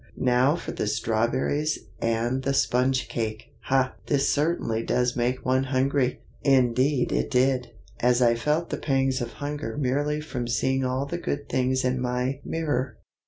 now for the strawberries and the sponge cake! ha! this certainly does make one hungry." Indeed it did, as I felt the pangs of hunger merely from seeing all the good things in my mirror.